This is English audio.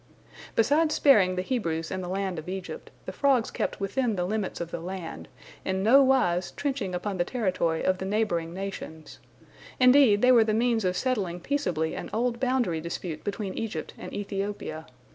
Beside sparing the Hebrews in the land of Egypt, the frogs kept within the limits of the land, in no wise trenching upon the territory of the neighboring nations. Indeed, they were the means of settling peaceably an old boundary dispute between Egypt and Ethiopia.